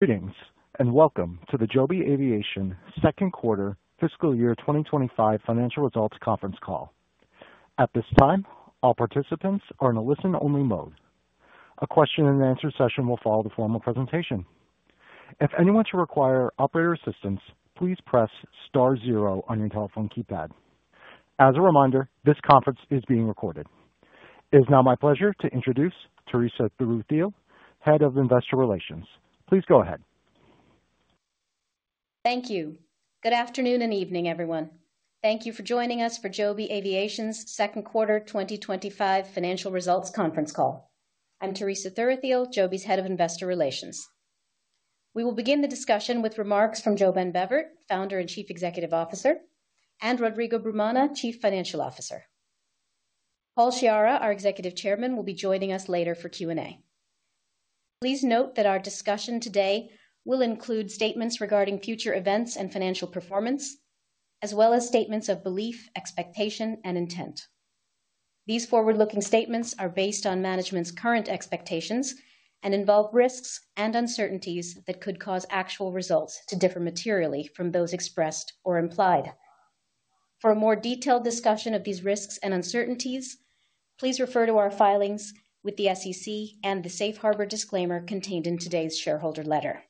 Greetings and welcome to the Joby Aviation second quarter fiscal year 2025 financial results conference call. At this time, all participants are in a listen-only mode. A question-and-answer session will follow the formal presentation. If anyone should require operator assistance, please press star zero on your telephone keypad. As a reminder, this conference is being recorded. It is now my pleasure to introduce Teresa Thuruthiyil, Head of Investor Relations. Please go ahead. Thank you. Good afternoon and evening, everyone. Thank you for joining us for Joby Aviation's second quarter 2025 financial results conference call. I'm Teresa Thuruthiyil, Joby's Head of Investor Relations. We will begin the discussion with remarks from JoeBen Bevirt, Founder and Chief Executive Officer, and Rodrigo Brumana, Chief Financial Officer. Paul Sciarra, our Executive Chairman, will be joining us later for Q&A. Please note that our discussion today will include statements regarding future events and financial performance, as well as statements of belief, expectation, and intent. These forward-looking statements are based on management's current expectations and involve risks and uncertainties that could cause actual results to differ materially from those expressed or implied. For a more detailed discussion of these risks and uncertainties, please refer to our filings with the SEC and the Safe Harbor Disclaimer contained in today's shareholder letter.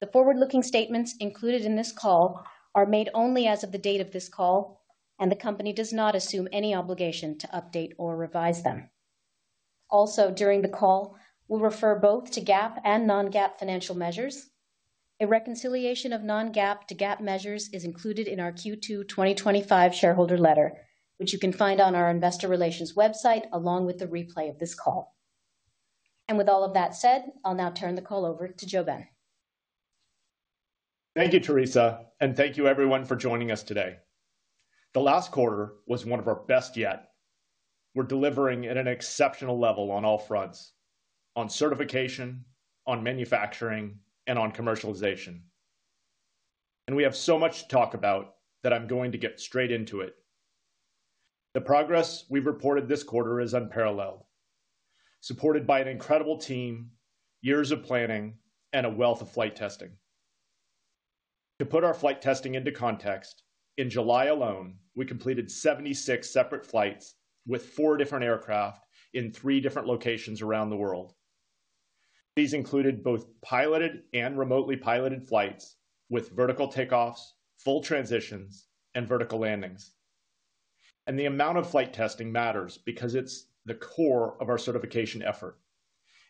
The forward-looking statements included in this call are made only as of the date of this call, and the company does not assume any obligation to update or revise them. Also, during the call, we'll refer both to GAAP and non-GAAP financial measures. A reconciliation of non-GAAP to GAAP measures is included in our Q2 2025 shareholder letter, which you can find on our Investor Relations website along with the replay of this call. With all of that said, I'll now turn the call over to JoeBen. Thank you, Teresa, and thank you everyone for joining us today. The last quarter was one of our best yet. We're delivering at an exceptional level on all fronts: on certification, on manufacturing, and on commercialization. We have so much to talk about that I'm going to get straight into it. The progress we've reported this quarter is unparalleled, supported by an incredible team, years of planning, and a wealth of flight testing. To put our flight testing into context, in July alone, we completed 76 separate flights with four different aircraft in three different locations around the world. These included both piloted and remotely piloted flights with vertical takeoffs, full transitions, and vertical landings. The amount of flight testing matters because it's the core of our certification effort.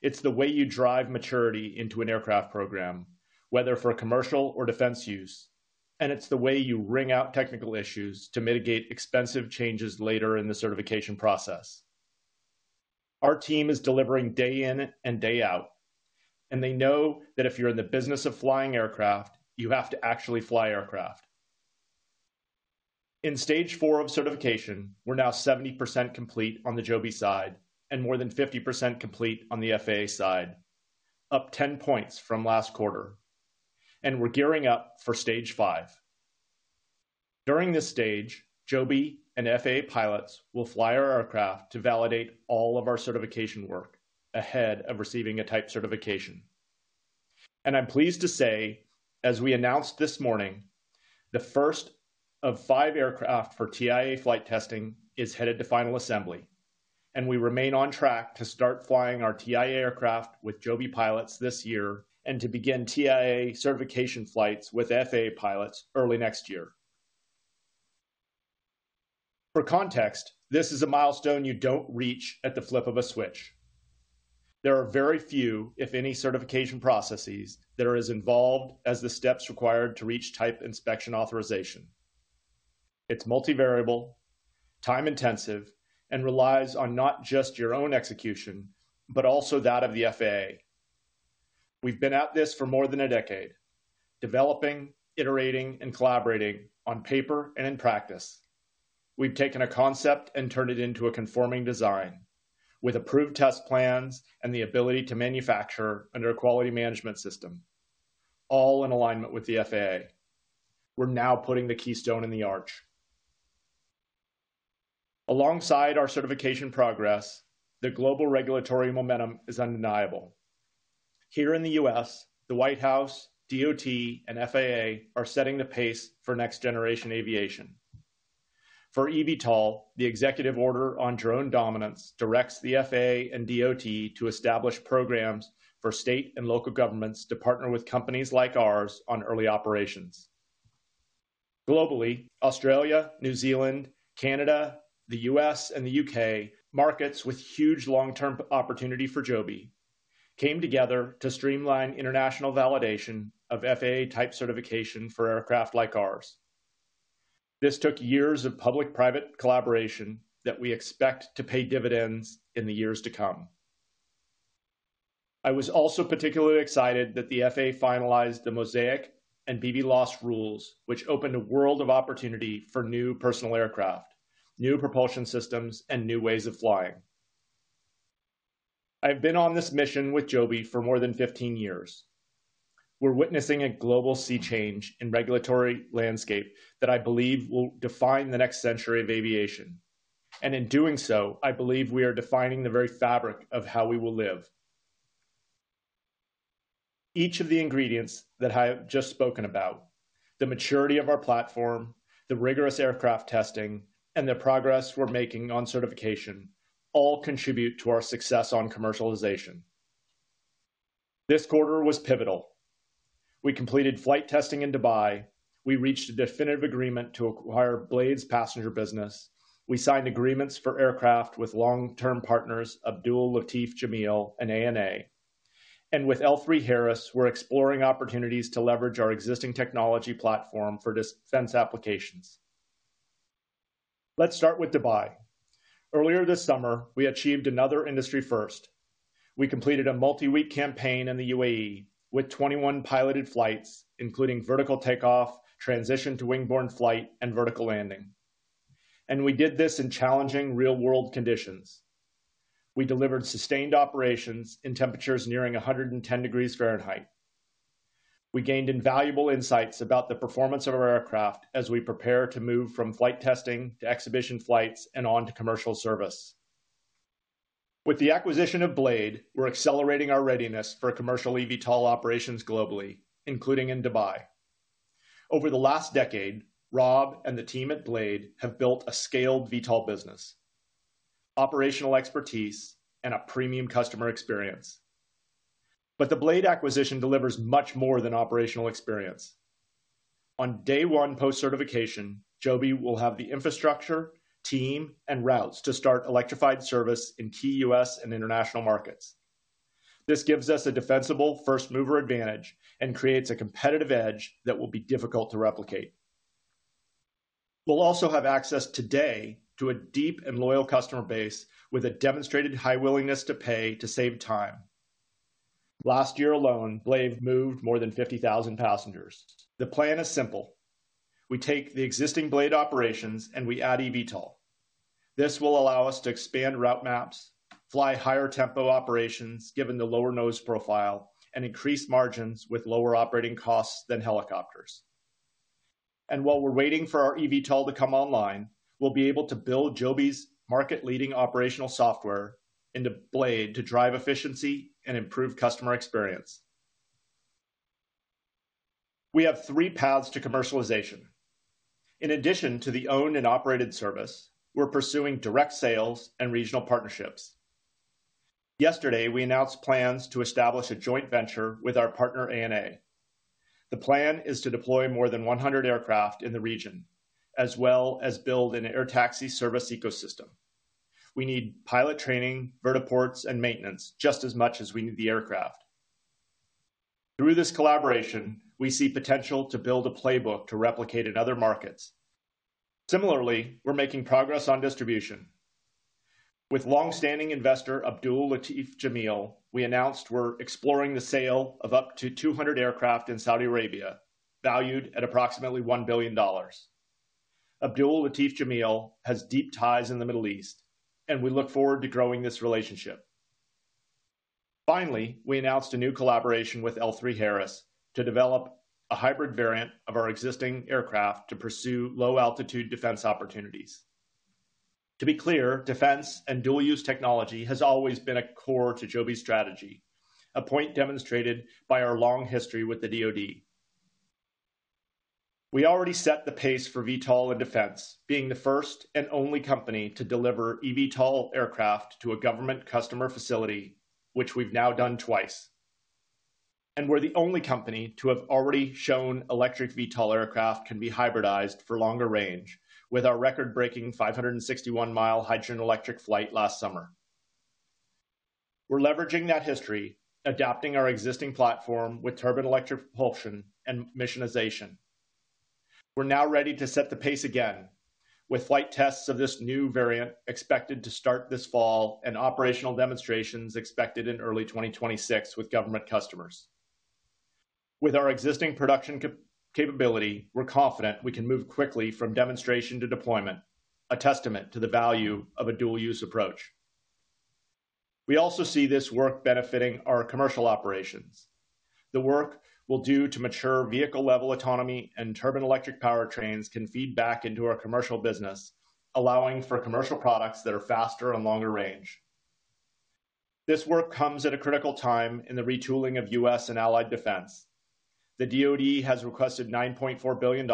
It's the way you drive maturity into an aircraft program, whether for commercial or defense use, and it's the way you wring out technical issues to mitigate expensive changes later in the certification process. Our team is delivering day in and day out, and they know that if you're in the business of flying aircraft, you have to actually fly aircraft. In Stage IV of certification, we're now 70% complete on the Joby side and more than 50% complete on the FAA side, up 10 points from last quarter. We're gearing up for Stage V. During this stage, Joby and FAA pilots will fly our aircraft to validate all of our certification work ahead of receiving a type certification. I'm pleased to say, as we announced this morning, the first of five aircraft for TIA flight testing is headed to final assembly. We remain on track to start flying our TIA aircraft with Joby pilots this year and to begin TIA certification flights with FAA pilots early next year. For context, this is a milestone you don't reach at the flip of a switch. There are very few, if any, certification processes that are as involved as the steps required to reach type inspection authorization. It's multivariable, time-intensive, and relies on not just your own execution, but also that of the FAA. We've been at this for more than a decade, developing, iterating, and collaborating on paper and in practice. We've taken a concept and turned it into a conforming design with approved test plans and the ability to manufacture under a quality management system, all in alignment with the FAA. We're now putting the keystone in the arch. Alongside our certification progress, the global regulatory momentum is undeniable. Here in the U.S., the White House, DOT, and FAA are setting the pace for next-generation aviation. For eVTOL, the Executive Order on Drone Dominance directs the FAA and DOT to establish programs for state and local governments to partner with companies like ours on early operations. Globally, Australia, New Zealand, Canada, the U.S., and the U.K., markets with huge long-term opportunity for Joby, came together to streamline international validation of FAA type certification for aircraft like ours. This took years of public-private collaboration that we expect to pay dividends in the years to come. I was also particularly excited that the FAA finalized the MOSAIC and BB loss rules, which opened a world of opportunity for new personal aircraft, new propulsion systems, and new ways of flying. I have been on this mission with Joby for more than 15 years. We're witnessing a global sea change in the regulatory landscape that I believe will define the next century of aviation. In doing so, I believe we are defining the very fabric of how we will live. Each of the ingredients that I have just spoken about, the maturity of our platform, the rigorous aircraft testing, and the progress we're making on certification all contribute to our success on commercialization. This quarter was pivotal. We completed flight testing in Dubai. We reached a definitive agreement to acquire Blade's Passenger Business. We signed agreements for aircraft with long-term partners Abdul Latif Jameel and ANA. With L3Harris, we're exploring opportunities to leverage our existing technology platform for defense applications. Let's start with Dubai. Earlier this summer, we achieved another industry first. We completed a multi-week campaign in the UAE with 21 piloted flights, including vertical takeoff, transition to wingborne flight, and vertical landing. We did this in challenging real-world conditions. We delivered sustained operations in temperatures nearing 110°F. We gained invaluable insights about the performance of our aircraft as we prepare to move from flight testing to exhibition flights and on to commercial service. With the acquisition of Blade, we're accelerating our readiness for commercial eVTOL operations globally, including in Dubai. Over the last decade, Rob and the team at Blade have built a scaled VTOL business, operational expertise, and a premium customer experience. The Blade acquisition delivers much more than operational experience. On day one post-certification, Joby will have the infrastructure, team, and routes to start electrified service in key U.S. and international markets. This gives us a defensible first-mover advantage and creates a competitive edge that will be difficult to replicate. We'll also have access today to a deep and loyal customer base with a demonstrated high willingness to pay to save time. Last year alone, Blade moved more than 50,000 passengers. The plan is simple. We take the existing Blade operations and we add eVTOL. This will allow us to expand route maps, fly higher tempo operations given the lower noise profile, and increase margins with lower operating costs than helicopters. While we're waiting for our eVTOL to come online, we'll be able to build Joby's market-leading operational software into Blade to drive efficiency and improve customer experience. We have three paths to commercialization. In addition to the owned and operated service, we're pursuing direct sales and regional partnerships. Yesterday, we announced plans to establish a joint venture with our partner ANA. The plan is to deploy more than 100 aircraft in the region, as well as build an air taxi service ecosystem. We need pilot training, vertiports, and maintenance just as much as we need the aircraft. Through this collaboration, we see potential to build a playbook to replicate in other markets. Similarly, we're making progress on distribution. With longstanding investor Abdul Latif Jameel, we announced we're exploring the sale of up to 200 aircraft in Saudi Arabia, valued at approximately $1 billion. Abdul Latif Jameel has deep ties in the Middle East, and we look forward to growing this relationship. Finally, we announced a new collaboration with L3Harris to develop a hybrid variant of our existing aircraft to pursue low-altitude defense opportunities. To be clear, defense and dual-use technology has always been a core to Joby's strategy, a point demonstrated by our long history with the DOD. We already set the pace for VTOL in defense, being the first and only company to deliver eVTOL aircraft to a government customer facility, which we've now done twice. We are the only company to have already shown electric VTOL aircraft can be hybridized for longer range with our record-breaking 561-mile hydrogen electric flight last summer. We are leveraging that history, adapting our existing platform with turbine electric propulsion and missionization. We are now ready to set the pace again with flight tests of this new variant expected to start this fall and operational demonstrations expected in early 2026 with government customers. With our existing production capability, we are confident we can move quickly from demonstration to deployment, a testament to the value of a dual-use approach. We also see this work benefiting our commercial operations. The work we will do to mature vehicle-level autonomy and turbine electric powertrains can feed back into our commercial business, allowing for commercial products that are faster and longer range. This work comes at a critical time in the retooling of U.S. and allied defense. The DOD has requested $9.4 billion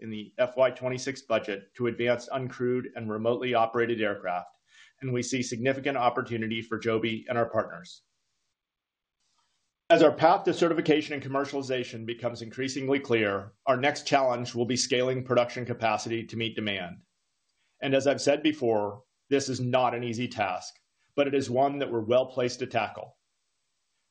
in the FY 2026 budget to advance uncrewed and remotely operated aircraft, and we see significant opportunity for Joby and our partners. As our path to certification and commercialization becomes increasingly clear, our next challenge will be scaling production capacity to meet demand. This is not an easy task, but it is one that we are well placed to tackle.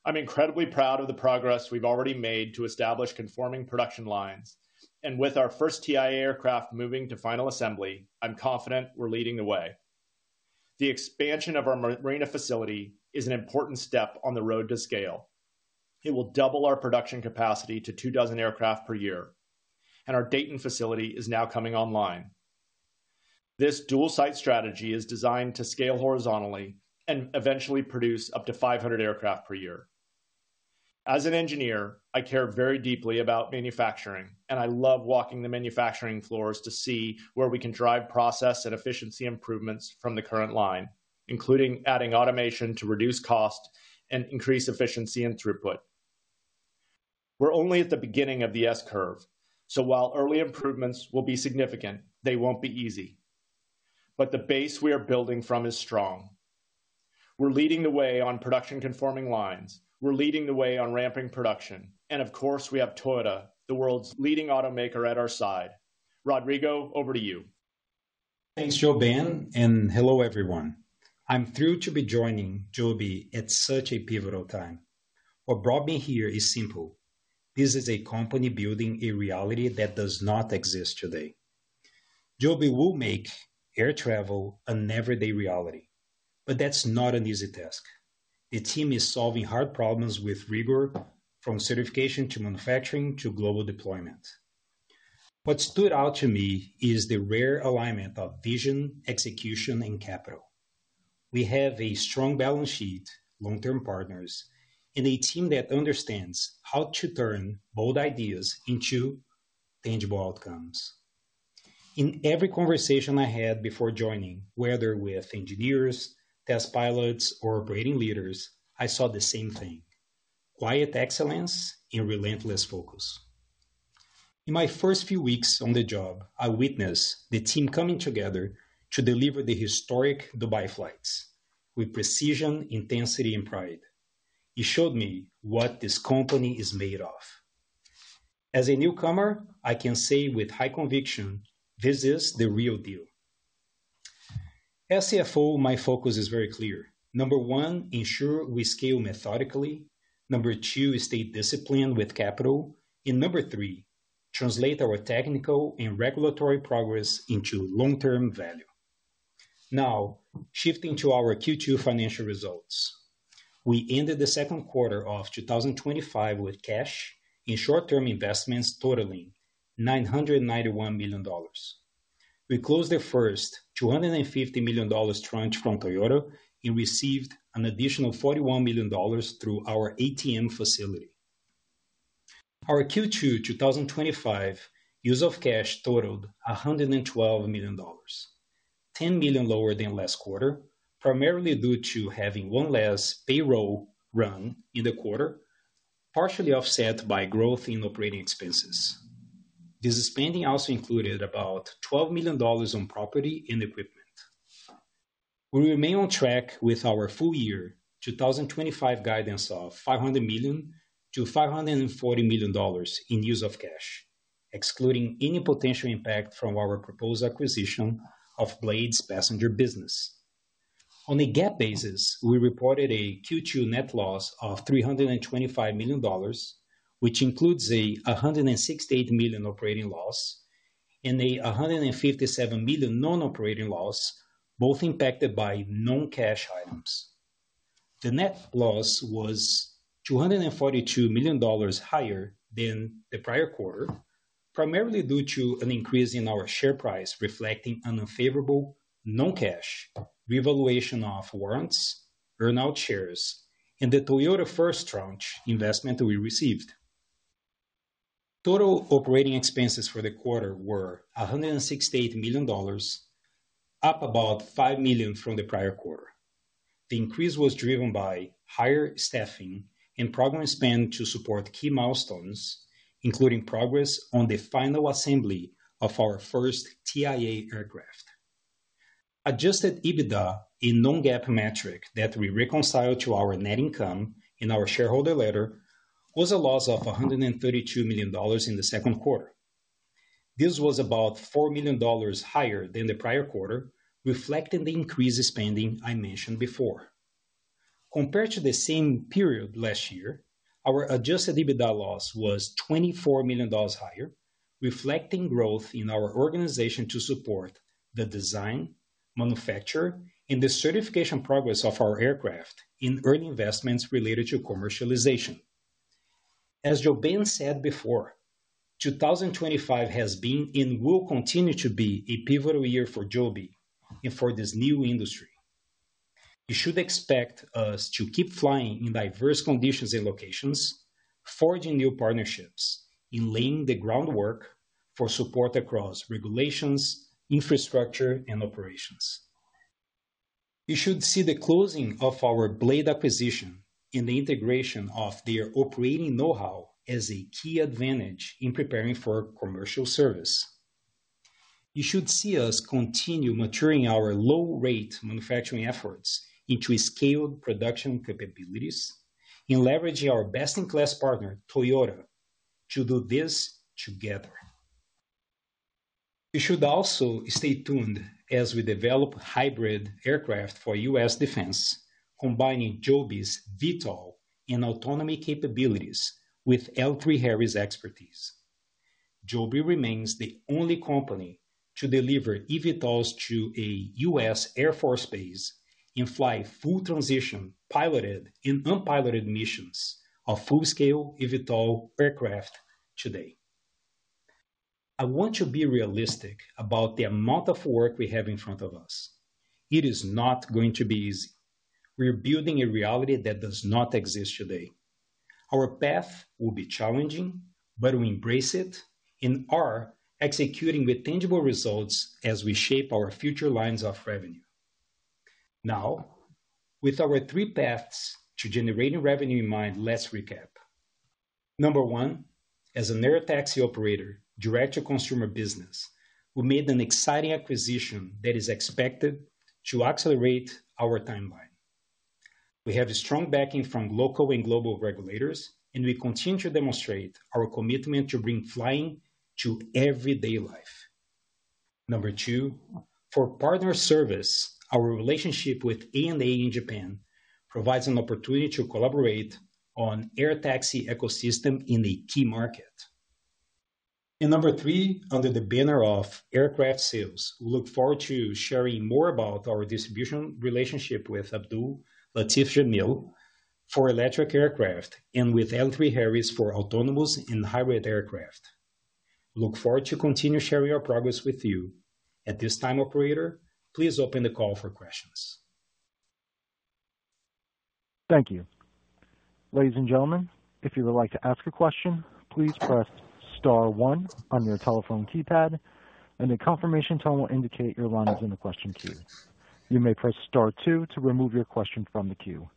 I am incredibly proud of the progress we have already made to establish conforming production lines, and with our first TIA aircraft moving to final assembly, I am confident we are leading the way. The expansion of our Marina facility is an important step on the road to scale. It will double our production capacity to two dozen aircraft per year, and our Dayton facility is now coming online. This dual-site strategy is designed to scale horizontally and eventually produce up to 500 aircraft per year. As an engineer, I care very deeply about manufacturing, and I love walking the manufacturing floors to see where we can drive process and efficiency improvements from the current line, including adding automation to reduce costs and increase efficiency and throughput. We are only at the beginning of the S-curve, so while early improvements will be significant, they will not be easy. The base we are building from is strong. We are leading the way on production-conforming lines. We are leading the way on ramping production. Of course, we have Toyota, the world's leading automaker, at our side. Rodrigo, over to you. Thanks, JoeBen, and hello everyone. I'm thrilled to be joining Joby at such a pivotal time. What brought me here is simple. This is a company building a reality that does not exist today. Joby will make air travel an everyday reality, but that's not an easy task. The team is solving hard problems with rigor from certification to manufacturing to global deployment. What stood out to me is the rare alignment of vision, execution, and capital. We have a strong balance sheet, long-term partners, and a team that understands how to turn bold ideas into tangible outcomes. In every conversation I had before joining, whether with engineers, test pilots, or operating leaders, I saw the same thing: quiet excellence and relentless focus. In my first few weeks on the job, I witnessed the team coming together to deliver the historic Dubai flights with precision, intensity, and pride. It showed me what this company is made of. As a newcomer, I can say with high conviction, this is the real deal. As CFO, my focus is very clear. Number one, ensure we scale methodically. Number two, stay disciplined with capital. Number three, translate our technical and regulatory progress into long-term value. Now, shifting to our Q2 financial results. We ended the second quarter of 2025 with cash and short-term investments totaling $991 million. We closed the first $250 million tranche from Toyota and received an additional $41 million through our ATM facility. Our Q2 2025 use of cash totaled $112 million, $10 million lower than last quarter, primarily due to having one less payroll run in the quarter, partially offset by growth in operating expenses. This spending also included about $12 million on property and equipment. We remain on track with our full year 2025 guidance of $500 million-$540 million in use of cash, excluding any potential impact from our proposed acquisition of Blade's passenger business. On a GAAP basis, we reported a Q2 net loss of $325 million, which includes a $168 million operating loss and a $157 million non-operating loss, both impacted by non-cash items. The net loss was $242 million higher than the prior quarter, primarily due to an increase in our share price reflecting an unfavorable non-cash revaluation of warrants, burn-out shares, and the Toyota first tranche investment that we received. Total operating expenses for the quarter were $168 million, up about $5 million from the prior quarter. The increase was driven by higher staffing and progress spend to support key milestones, including progress on the final assembly of our first TIA aircraft. Adjusted EBITDA, a non-GAAP metric that we reconcile to our net income in our shareholder letter, was a loss of $132 million in the second quarter. This was about $4 million higher than the prior quarter, reflecting the increased spending I mentioned before. Compared to the same period last year, our Adjusted EBITDA loss was $24 million higher, reflecting growth in our organization to support the design, manufacture, and the certification progress of our aircraft and earned investments related to commercialization. As JoeBen said before, 2025 has been and will continue to be a pivotal year for Joby and for this new industry. You should expect us to keep flying in diverse conditions and locations, forging new partnerships, and laying the groundwork for support across regulations, infrastructure, and operations. You should see the closing of our Blade acquisition and the integration of their operating know-how as a key advantage in preparing for commercial service. You should see us continue maturing our low-rate manufacturing efforts into scaled production capabilities and leveraging our best-in-class partner, Toyota, to do this together. You should also stay tuned as we develop hybrid aircraft for U.S. defense, combining Joby's VTOL and autonomy capabilities with L3Harris' expertise. Joby remains the only company to deliver eVTOLs to a U.S. Air Force base and fly full transition piloted and unpiloted missions of full-scale eVTOL aircraft today. I want to be realistic about the amount of work we have in front of us. It is not going to be easy. We're building a reality that does not exist today. Our path will be challenging, but we embrace it and are executing with tangible results as we shape our future lines of revenue. Now, with our three paths to generating revenue in mind, let's recap. Number one, as an air taxi operator, director of consumer business, we made an exciting acquisition that is expected to accelerate our timeline. We have a strong backing from local and global regulators, and we continue to demonstrate our commitment to bring flying to everyday life. Number two, for partner service, our relationship with ANA in Japan provides an opportunity to collaborate on the air taxi ecosystem in a key market. Number three, under the banner of aircraft sales, we look forward to sharing more about our distribution relationship with Abdul Latif Jameel for electric aircraft and with L3Harris for autonomous and hybrid aircraft. We look forward to continuing sharing our progress with you. At this time, operator, please open the call for questions. Thank you. Ladies and gentlemen, if you would like to ask a question, please press star one on your telephone keypad, and a confirmation tone will indicate your line is in the question queue. You may press star two to remove your question from the queue.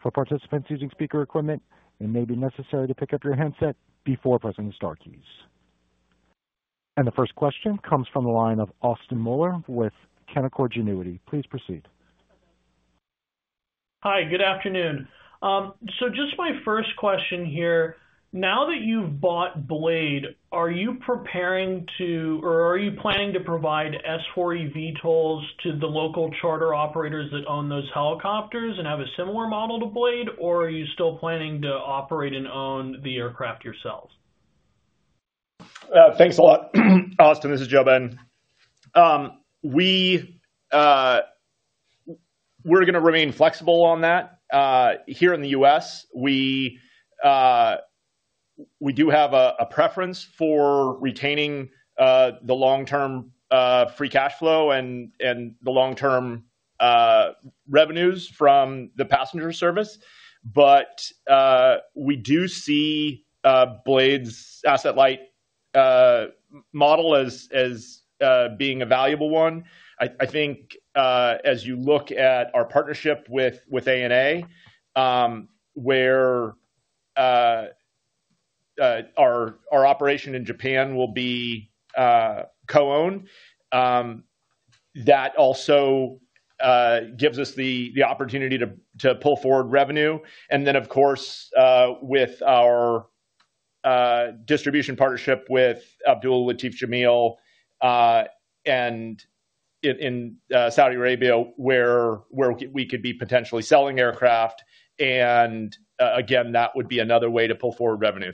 For participants using speaker equipment, it may be necessary to pick up your headset before pressing the star keys. The first question comes from the line of Austin Moeller with Canaccord Genuity Corp. Please proceed. Hi, good afternoon. My first question here. Now that you've bought Blade, are you preparing to, or are you planning to provide S4 eVTOLs to the local charter operators that own those helicopters and have a similar model to Blade, or are you still planning to operate and own the aircraft yourselves? Thanks a lot, Austin. This is JoeBen. We're going to remain flexible on that. Here in the U.S., we do have a preference for retaining the long-term free cash flow and the long-term revenues from the passenger service. We do see Blade's asset-light model as being a valuable one. I think as you look at our partnership with ANA, where our operation in Japan will be co-owned, that also gives us the opportunity to pull forward revenue. With our distribution partnership with Abdul Latif Jameel in Saudi Arabia, where we could be potentially selling aircraft, that would be another way to pull forward revenue.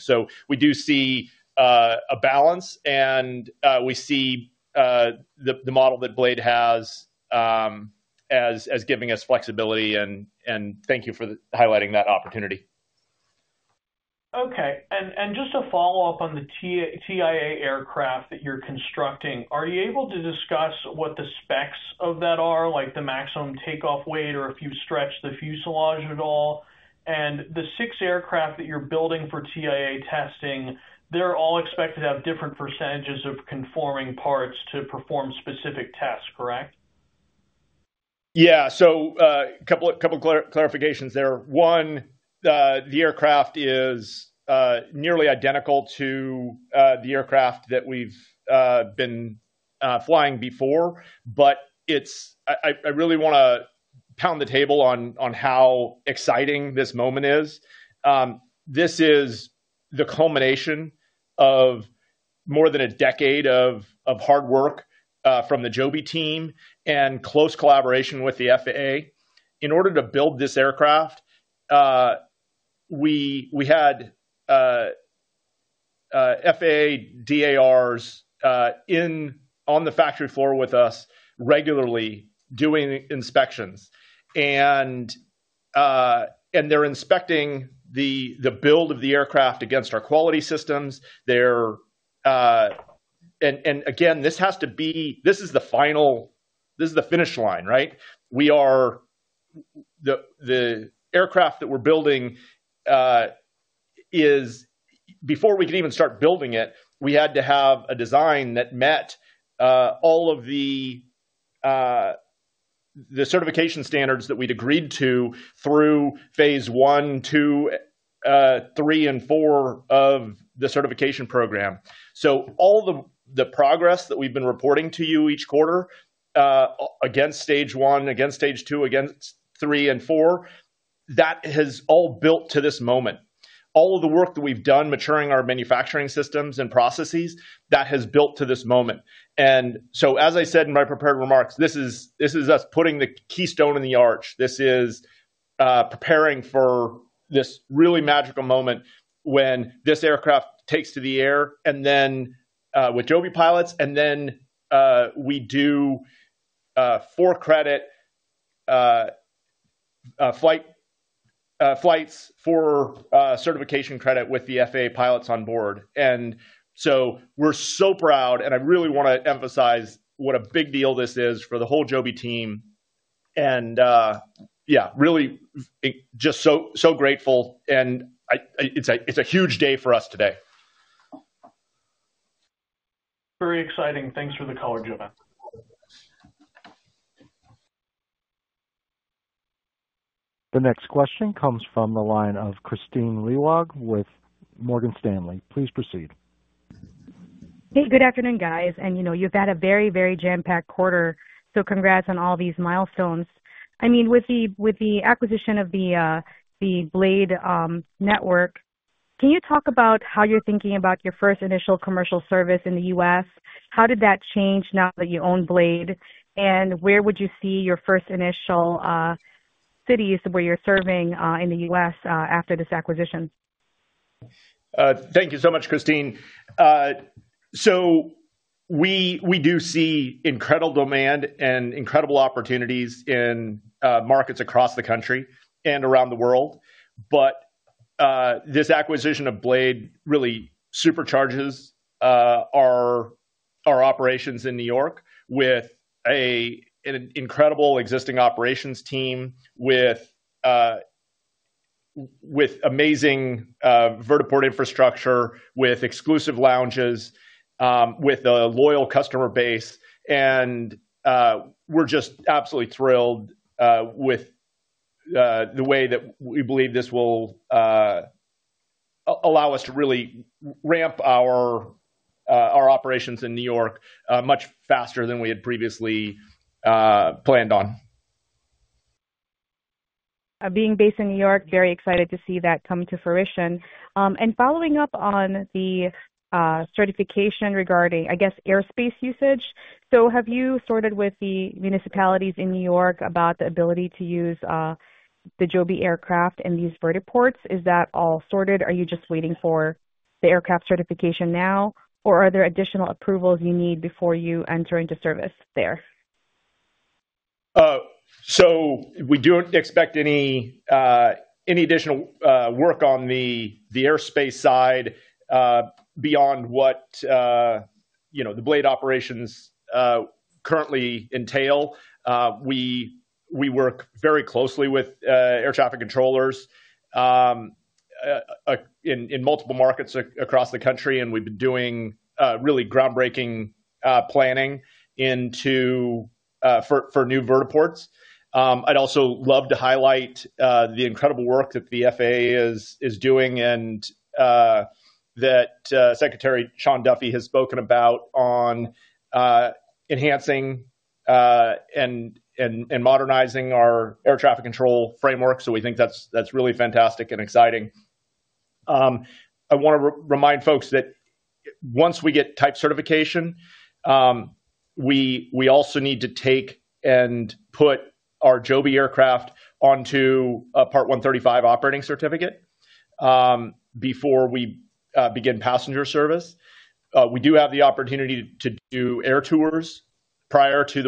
We do see a balance, and we see the model that Blade has as giving us flexibility, and thank you for highlighting that opportunity. Okay. Just to follow up on the TIA aircraft that you're constructing, are you able to discuss what the specs of that are, like the maximum takeoff weight or if you stretch the fuselage at all? The six aircraft that you're building for TIA testing, they're all expected to have different % of conforming parts to perform specific tests, correct? Yeah, so a couple of clarifications there. One, the aircraft is nearly identical to the aircraft that we've been flying before, but I really want to pound the table on how exciting this moment is. This is the culmination of more than a decade of hard work from the Joby team and close collaboration with the FAA. In order to build this aircraft, we had FAA DARs on the factory floor with us regularly doing inspections. They're inspecting the build of the aircraft against our quality systems. This has to be, this is the final, this is the finish line, right? The aircraft that we're building is, before we could even start building it, we had to have a design that met all of the certification standards that we'd agreed to through phase one, two, three, and four of the certification program. All the progress that we've been reporting to you each quarter against Stage I, against Stage II, against III, and IV, that has all built to this moment. All of the work that we've done maturing our manufacturing systems and processes, that has built to this moment. As I said in my prepared remarks, this is us putting the keystone in the arch. This is preparing for this really magical moment when this aircraft takes to the air and then with Joby pilots, and then we do four credit flights for certification credit with the FAA pilots on board. We're so proud, and I really want to emphasize what a big deal this is for the whole Joby team. Yeah, really just so grateful, and it's a huge day for us today. Very exciting. Thanks for the call, JoeBen. The next question comes from the line of Kristine Liwag with Morgan Stanley. Please proceed. Hey, good afternoon, guys. You know you've had a very, very jam-packed quarter, so congrats on all these milestones. With the acquisition of the Blade network, can you talk about how you're thinking about your first initial commercial service in the U.S.? How did that change now that you own Blade Air Mobility? Where would you see your first initial cities where you're serving in the U.S. after this acquisition? Thank you so much, Kristine. We do see incredible demand and incredible opportunities in markets across the country and around the world. This acquisition of Blade really supercharges our operations in New York with an incredible existing operations team, amazing vertiport infrastructure, exclusive lounges, and a loyal customer base. We're just absolutely thrilled with the way that we believe this will allow us to really ramp our operations in New York much faster than we had previously planned on. Being based in New York, very excited to see that come to fruition. Following up on the certification regarding, I guess, airspace usage. Have you sorted with the municipalities in New York about the ability to use the Joby aircraft in these vertiports? Is that all sorted? Are you just waiting for the aircraft certification now, or are there additional approvals you need before you enter into service there? We don't expect any additional work on the airspace side beyond what the Blade operations currently entail. We work very closely with air traffic controllers in multiple markets across the country, and we've been doing really groundbreaking planning for new vertiports. I'd also love to highlight the incredible work that the FAA is doing and that Secretary Sean Duffy has spoken about on enhancing and modernizing our air traffic control framework. We think that's really fantastic and exciting. I want to remind folks that once we get type certification, we also need to take and put our Joby aircraft onto a Part 135 operating certificate before we begin passenger service. We do have the opportunity to do air tours prior to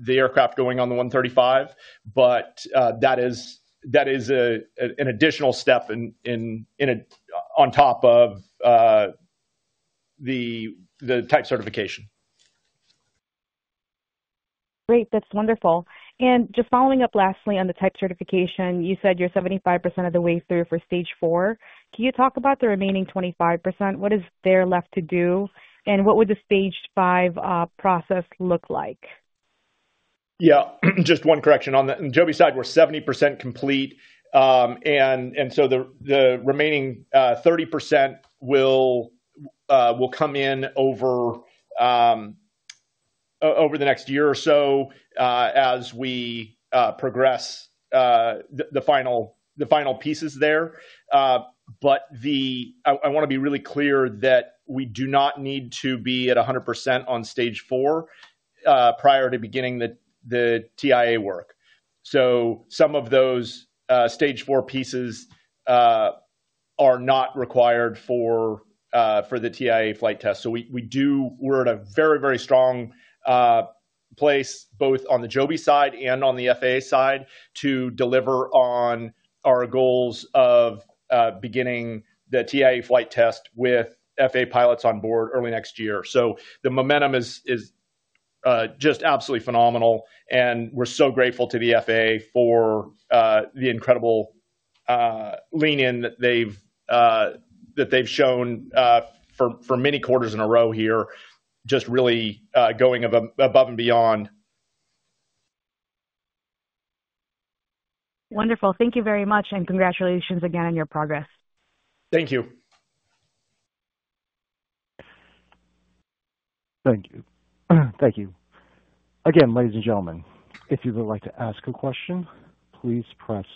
the aircraft going on the 135, but that is an additional step on top of the type certification. Great. That's wonderful. Just following up lastly on the type certification, you said you're 75% of the way through for Stage IV. Can you talk about the remaining 25%? What is there left to do? What would the Stage V process look like? Yeah, just one correction on the Joby side. We're 70% complete, and the remaining 30% will come in over the next year or so as we progress the final pieces there. I want to be really clear that we do not need to be at 100% on Stage IV prior to beginning the TIA work. Some of those Stage IV pieces are not required for the TIA flight test. We're at a very, very strong place both on the Joby side and on the FAA side to deliver on our goals of beginning the TIA flight test with FAA pilots on board early next year. The momentum is just absolutely phenomenal, and we're so grateful to the FAA for the incredible lean-in that they've shown for many quarters in a row here, just really going above and beyond. Wonderful. Thank you very much, and congratulations again on your progress. Thank you. Thank you. Thank you. Again, ladies and gentlemen, if you would like to ask a question, please press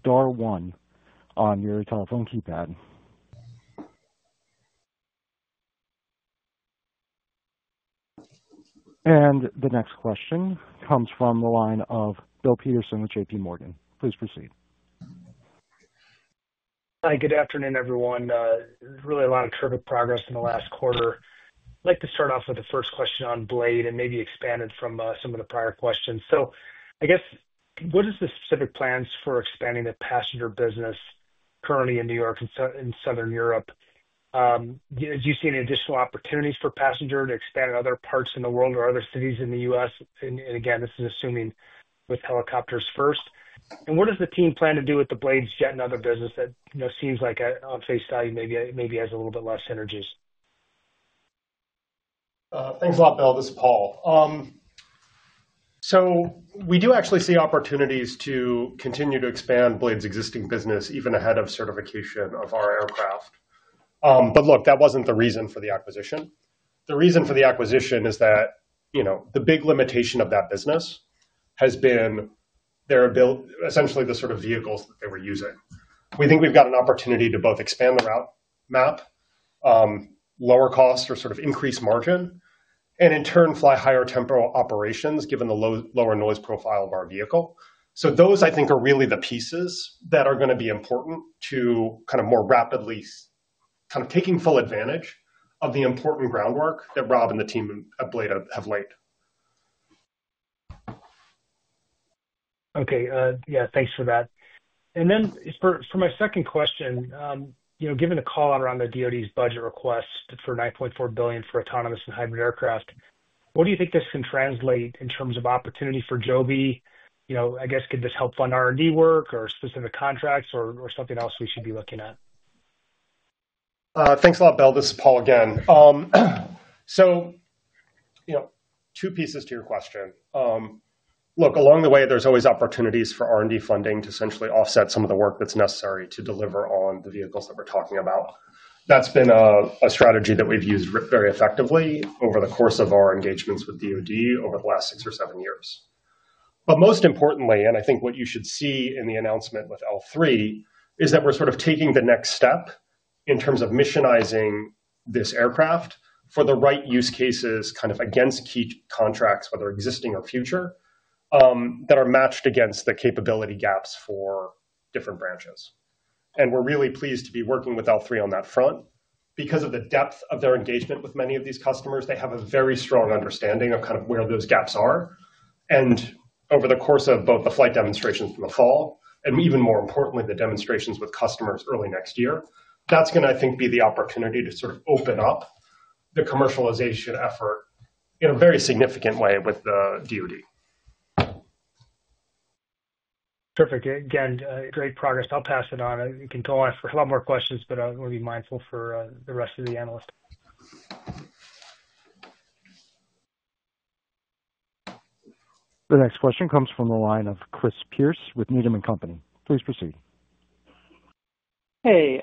star one on your telephone keypad. The next question comes from the line of Bill Peterson with JPMorgan. Please proceed. Hi, good afternoon, everyone. Really, a lot of terrific progress in the last quarter. I'd like to start off with the first question on Blade and maybe expand it from some of the prior questions. What are the specific plans for expanding the passenger business currently in New York and in Southern Europe? Do you see any additional opportunities for passengers to expand in other parts in the world or other cities in the U.S.? This is assuming with helicopters first. What does the team plan to do with Blade's jet and other business that seems like on face value maybe has a little bit less synergies? Thanks a lot, Bill. This is Paul. We do actually see opportunities to continue to expand Blade's existing business even ahead of certification of our aircraft. That wasn't the reason for the acquisition. The reason for the acquisition is that the big limitation of that business has been essentially the sort of vehicles that they were using. We think we've got an opportunity to both expand the route map, lower costs, or increase margin, and in turn, fly higher temporal operations given the lower noise profile of our vehicle. Those, I think, are really the pieces that are going to be important to more rapidly taking full advantage of the important groundwork that Rob and the team at Blade have laid. Okay. Yeah, thanks for that. For my second question, given the call out around the DOD's budget request for $9.4 billion for autonomous and hybrid aircraft, what do you think this can translate in terms of opportunity for Joby? I guess, can this help fund R&D work or specific contracts or something else we should be looking at? Thanks a lot, Bill. This is Paul again. Two pieces to your question. Look, along the way, there's always opportunities for R&D funding to essentially offset some of the work that's necessary to deliver on the vehicles that we're talking about. That's been a strategy that we've used very effectively over the course of our engagements with DOD over the last six or seven years. Most importantly, and I think what you should see in the announcement with L3 is that we're sort of taking the next step in terms of missionizing this aircraft for the right use cases kind of against key contracts, whether existing or future, that are matched against the capability gaps for different branches. We're really pleased to be working with L3 on that front. Because of the depth of their engagement with many of these customers, they have a very strong understanding of kind of where those gaps are. Over the course of both the flight demonstrations in the fall, and even more importantly, the demonstrations with customers early next year, that's going to, I think, be the opportunity to sort of open up the commercialization effort in a very significant way with the DOD. Perfect. Again, great progress. I'll pass it on. You can call us for a lot more questions, but I want to be mindful for the rest of the analysts. The next question comes from the line of Chris Pierce with Needham & Company. Please proceed. Hey,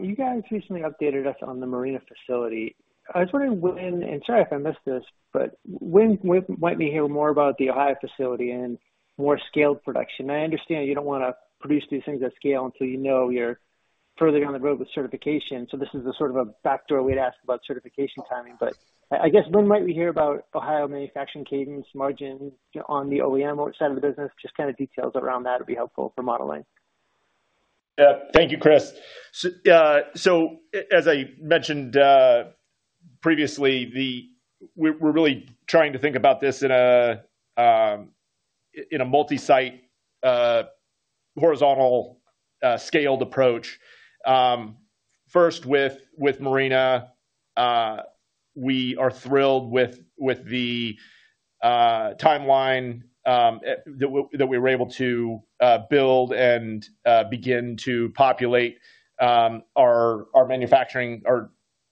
you guys recently updated us on the Marina facility. I was wondering, and sorry if I missed this, but when might we hear more about the Ohio facility and more scaled production? I understand you don't want to produce these things at scale until you know you're further down the road with certification. This is a sort of a backdoor we'd ask about certification timing, but I guess when might we hear about Ohio manufacturing cadence, margin on the OEM side of the business? Just kind of details around that would be helpful for modeling. Thank you, Chris. As I mentioned previously, we're really trying to think about this in a multi-site horizontal scaled approach. First, with Marina, we are thrilled with the timeline that we were able to build and begin to populate our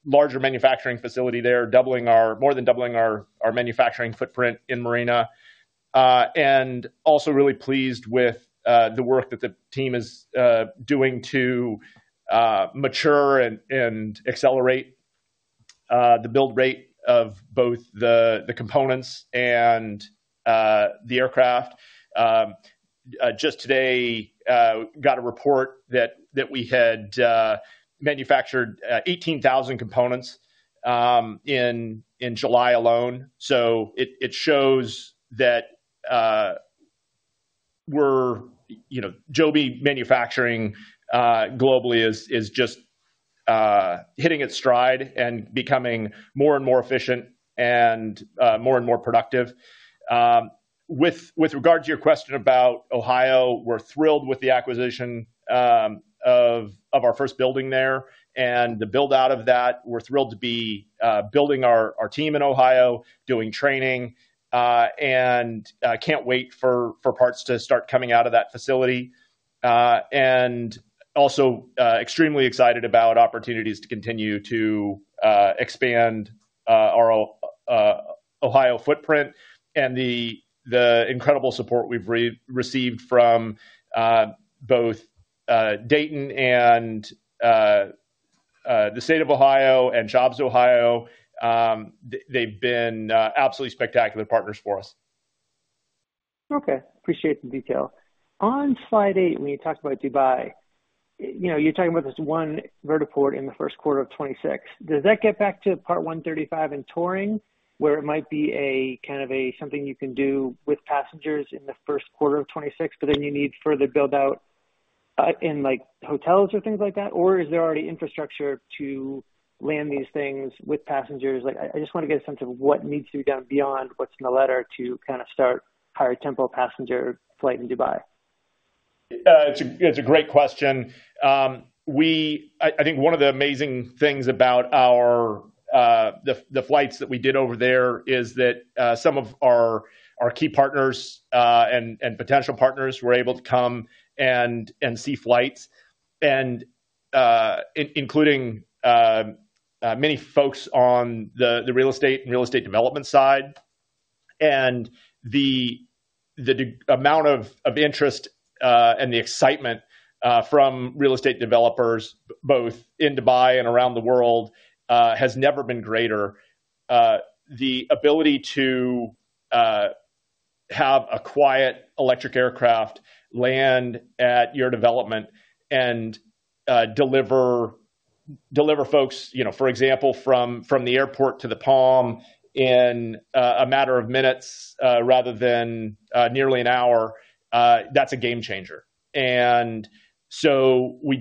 larger manufacturing facility there, more than doubling our manufacturing footprint in Marina. We are also really pleased with the work that the team is doing to mature and accelerate the build rate of both the components and the aircraft. Just today, got a report that we had manufactured 18,000 components in July alone. It shows that Joby manufacturing globally is just hitting its stride and becoming more and more efficient and more and more productive. With regard to your question about Ohio, we're thrilled with the acquisition of our first building there and the build-out of that. We're thrilled to be building our team in Ohio, doing training, and can't wait for parts to start coming out of that facility. We are also extremely excited about opportunities to continue to expand our Ohio footprint and the incredible support we've received from both Dayton and the state of Ohio and JobsOhio. They've been absolutely spectacular partners for us. Okay. Appreciate the detail. On slide eight, when you talked about Dubai, you know you're talking about this one vertiport in the first quarter of 2026. Does that get back to Part 135 and touring, where it might be a kind of something you can do with passengers in the first quarter of 2026, but then you need further build-out in like hotels or things like that? Or is there already infrastructure to land these things with passengers? I just want to get a sense of what needs to be done beyond what's in the letter to kind of start higher tempo passenger flight in Dubai. It's a great question. I think one of the amazing things about the flights that we did over there is that some of our key partners and potential partners were able to come and see flights, including many folks on the real estate and real estate development side. The amount of interest and the excitement from real estate developers, both in Dubai and around the world, has never been greater. The ability to have a quiet electric aircraft land at your development and deliver folks, for example, from the airport to the Palm in a matter of minutes rather than nearly an hour, that's a game changer. We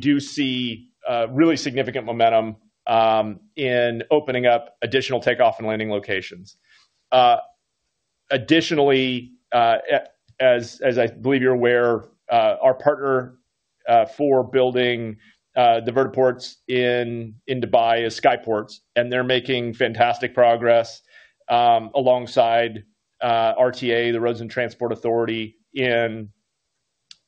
do see really significant momentum in opening up additional takeoff and landing locations. Additionally, as I believe you're aware, our partner for building the vertiports in Dubai is Skyports, and they're making fantastic progress alongside RTA, the Roads and Transport Authority, in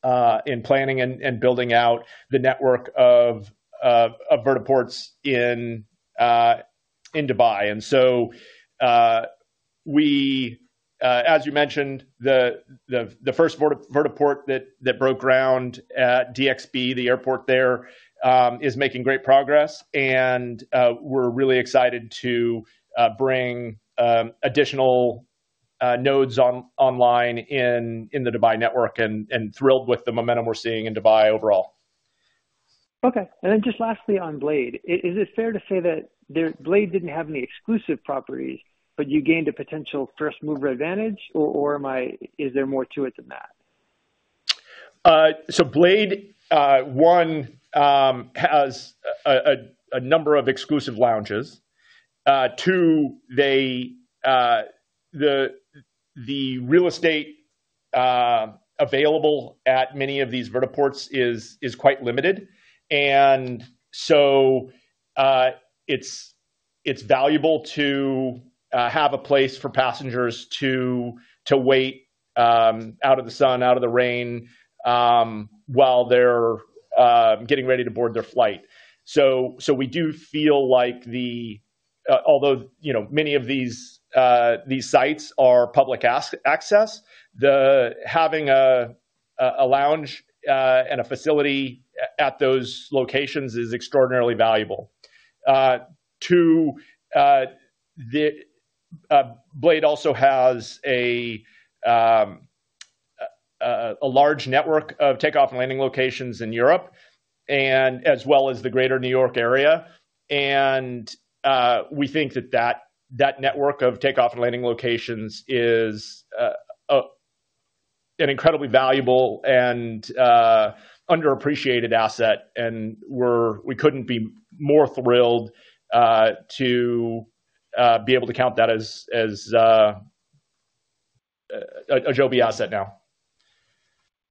planning and building out the network of vertiports in Dubai. As you mentioned, the first vertiport that broke ground at DXB, the airport there, is making great progress. We're really excited to bring additional nodes online in the Dubai network and thrilled with the momentum we're seeing in Dubai overall. Okay. Lastly, on Blade, is it fair to say that Blade didn't have any exclusive properties, but you gained a potential first-mover advantage, or is there more to it than that? Blade, one, has a number of exclusive lounges. The real estate available at many of these vertiports is quite limited, and it's valuable to have a place for passengers to wait out of the sun, out of the rain while they're getting ready to board their flight. We do feel like, although many of these sites are public access, having a lounge and a facility at those locations is extraordinarily valuable. Blade also has a large network of takeoff and landing locations in Europe, as well as the greater New York area. We think that network of takeoff and landing locations is an incredibly valuable and underappreciated asset, and we couldn't be more thrilled to be able to count that as a Joby asset now.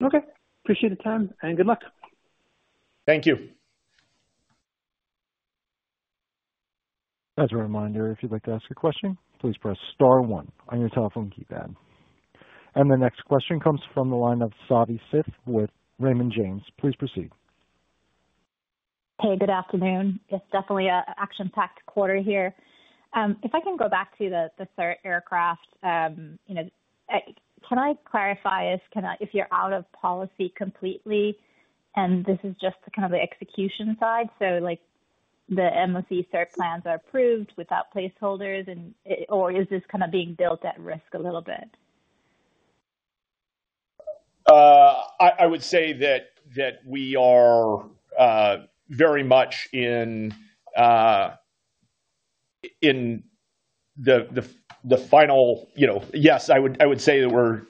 Okay. Appreciate the time and good luck. Thank you. As a reminder, if you'd like to ask a question, please press star one on your telephone keypad. The next question comes from the line of Savi Syth with Raymond James. Please proceed. Hey, good afternoon. It's definitely an action-packed quarter here. If I can go back to the CERT aircraft, you know, can I clarify if you're out of policy completely? This is just kind of the execution side. Like the MOC CERT plans are approved without placeholders, or is this kind of being built at risk a little bit? I would say that we are very much in the final, yes, I would say that we're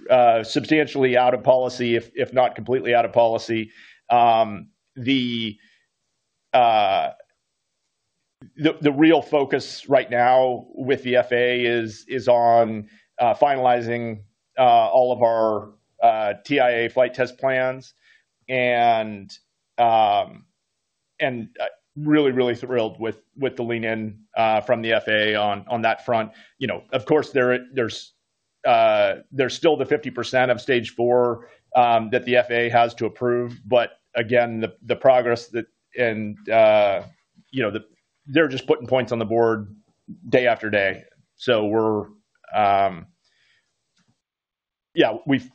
substantially out of policy, if not completely out of policy. The real focus right now with the FAA is on finalizing all of our TIA flight test plans. I'm really, really thrilled with the lean-in from the FAA on that front. Of course, there's still the 50% of Stage IV that the FAA has to approve. Again, the progress that, they're just putting points on the board day after day.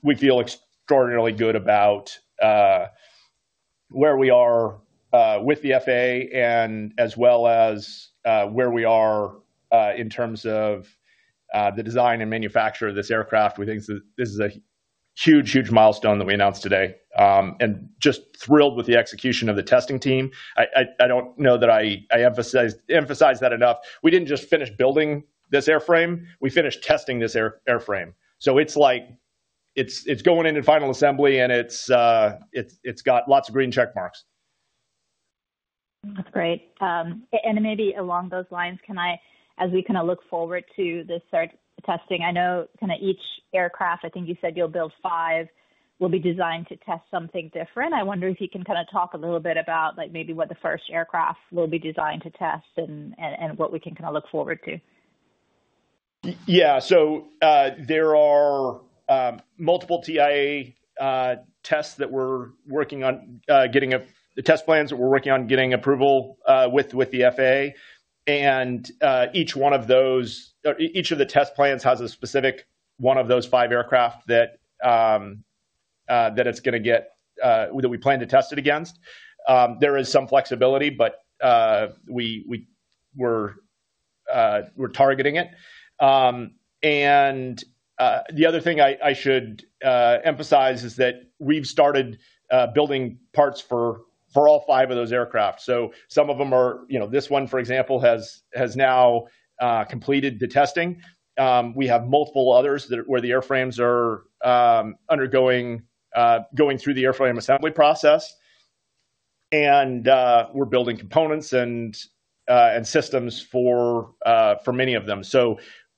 We feel extraordinarily good about where we are with the FAA and as well as where we are in terms of the design and manufacture of this aircraft. We think that this is a huge, huge milestone that we announced today. I'm just thrilled with the execution of the testing team. I don't know that I emphasized that enough. We didn't just finish building this airframe. We finished testing this airframe. It's going into final assembly, and it's got lots of green check marks. That's great. Maybe along those lines, as we kind of look forward to this certification testing, I know each aircraft, I think you said you'll build five, will be designed to test something different. I wonder if you can talk a little bit about what the first aircraft will be designed to test and what we can look forward to. Yeah. There are multiple TIA tests that we're working on, getting the test plans that we're working on getting approval with the FAA. Each one of those, each of the test plans, has a specific one of those five aircraft that it's going to get, that we plan to test it against. There is some flexibility, but we're targeting it. The other thing I should emphasize is that we've started building parts for all five of those aircraft. Some of them are, you know, this one, for example, has now completed the testing. We have multiple others where the airframes are undergoing the airframe assembly process, and we're building components and systems for many of them.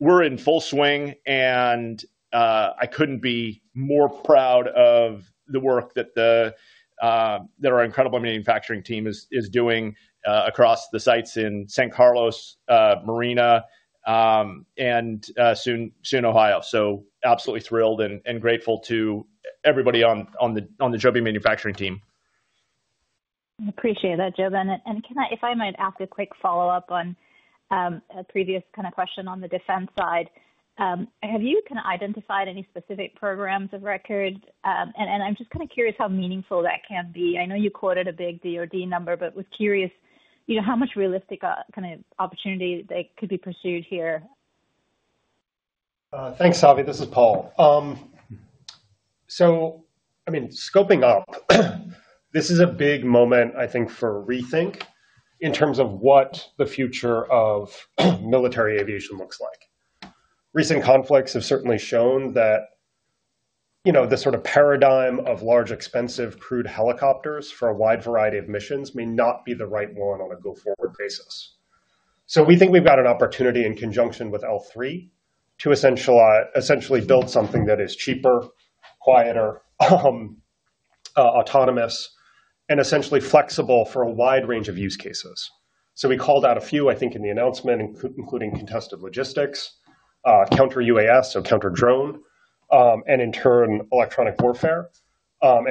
We're in full swing, and I couldn't be more proud of the work that our incredible manufacturing team is doing across the sites in San Carlos, Marina, and soon Ohio. Absolutely thrilled and grateful to everybody on the Joby manufacturing team. I appreciate that, JoeBen. If I might ask a quick follow-up on a previous kind of question on the defense side, have you kind of identified any specific programs of record? I'm just kind of curious how meaningful that can be. I know you quoted a big DOD number, but was curious how much realistic kind of opportunity that could be pursued here? Thanks, Savi. This is Paul. Scoping up, this is a big moment, I think, for rethink in terms of what the future of military aviation looks like. Recent conflicts have certainly shown that, you know, the sort of paradigm of large, expensive, crewed helicopters for a wide variety of missions may not be the right one on a go-forward basis. We think we've got an opportunity in conjunction with L3Harris Technologies to essentially build something that is cheaper, quieter, autonomous, and essentially flexible for a wide range of use cases. We called out a few, I think, in the announcement, including contested logistics, counter UAS, so counter drone, and in turn, electronic warfare.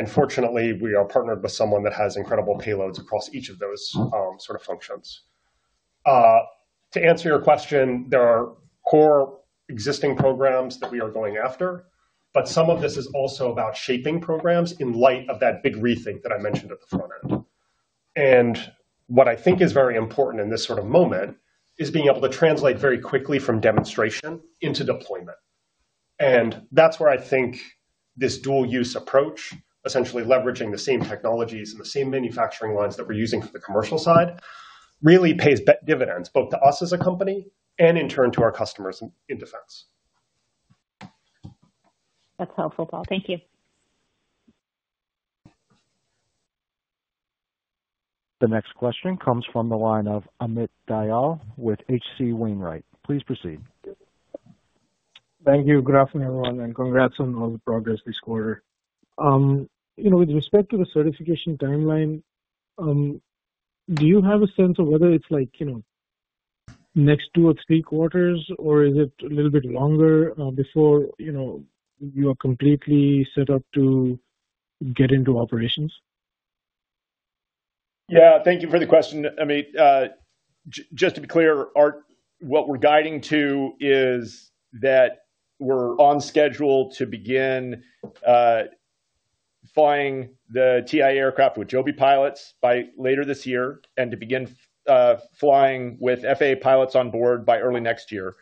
Fortunately, we are partnered with someone that has incredible payloads across each of those sort of functions. To answer your question, there are core existing programs that we are going after, but some of this is also about shaping programs in light of that big rethink that I mentioned at the front end. What I think is very important in this sort of moment is being able to translate very quickly from demonstration into deployment. That's where I think this dual-use approach, essentially leveraging the same technologies and the same manufacturing lines that we're using for the commercial side, really pays dividends both to us as a company and in turn to our customers in defense. That's helpful, Paul. Thank you. The next question comes from the line of Amit Dayal with H.C. Wainwright. Please proceed. Thank you, good afternoon, everyone, and congrats on all the progress this quarter. With respect to the certification timeline, do you have a sense of whether it's, you know, next two or three quarters, or is it a little bit longer before you know you are completely set up to get into operations? Thank you for the question, Amit. Just to be clear, what we're guiding to is that we're on schedule to begin flying the TIA aircraft with Joby pilots by later this year and to begin flying with FAA pilots on board by early next year.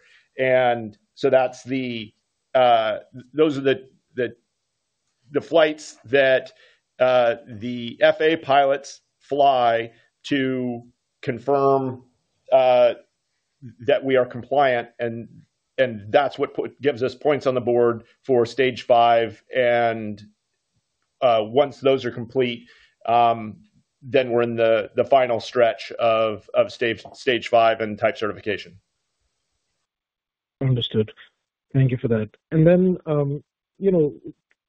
Those are the flights that the FAA pilots fly to confirm that we are compliant, and that's what gives us points on the board for Stage V. Once those are complete, we're in the final stretch of Stage V and type certification. Understood. Thank you for that.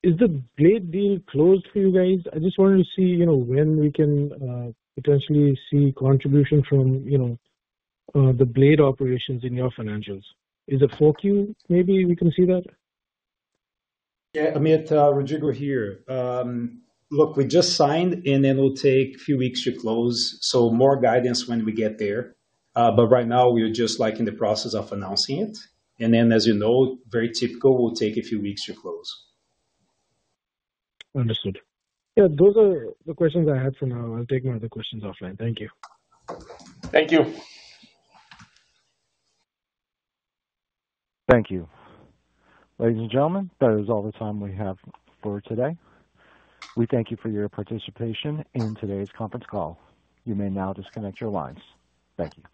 Is the Blade deal closed for you guys? I just want to see when we can potentially see contribution from the Blade operations in your financials. Is it 4Q maybe we can see that? Yeah, Amit, Rodrigo here. We just signed, and it'll take a few weeks to close. More guidance when we get there. Right now, we are just in the process of announcing it. As you know, very typical, it'll take a few weeks to close. Understood. Yeah, those are the questions I had for now. I'll take more of the questions offline. Thank you. Thank you. Thank you. Ladies and gentlemen, that is all the time we have for today. We thank you for your participation in today's conference call. You may now disconnect your lines. Thank you.